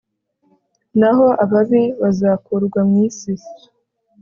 naho ababi bazakurwa mu isi